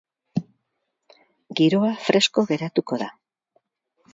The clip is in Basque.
Giroa fresko geratuko da.